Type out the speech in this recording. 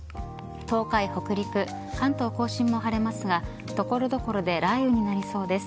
東海、北陸、関東甲信も晴れますが所々で雷雨になりそうです。